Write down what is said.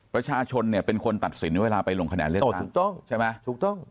ประชาชนเนี่ยเป็นคนตัดสินเวลาไปลงคะแนนเลขาถูกต้อง